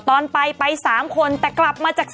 ตอนไปไป๓คนแต่กลับมาจาก